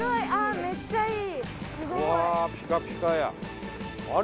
めっちゃいい！あれ？